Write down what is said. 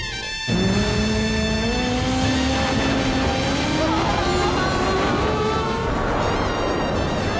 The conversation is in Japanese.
うわ！